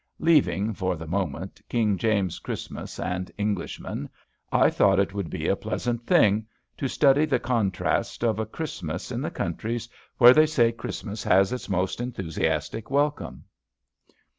Leaving, for the moment, King James's Christmas and Englishmen, I thought it would be a pleasant thing to study the contrast of a Christmas in the countries where they say Christmas has its most enthusiastic welcome.